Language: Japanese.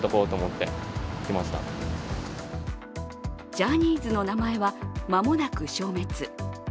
ジャニーズの名前は間もなく消滅。